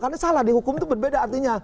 karena salah di hukum itu berbeda artinya